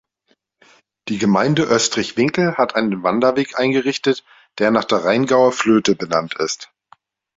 Die Gemeinde Oestrich-Winkel hat einen Wanderweg eingerichtet, der nach der Rheingauer Flöte benannt ist.